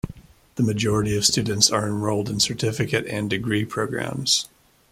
The majority of students are enrolled in certificate and degree programs.